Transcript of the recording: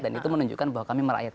dan itu menunjukkan bahwa kami merakyat